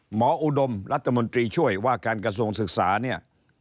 อุดมรัฐมนตรีช่วยว่าการกระทรวงศึกษาเนี่ย